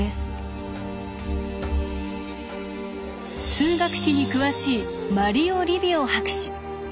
数学史に詳しいマリオ・リヴィオ博士。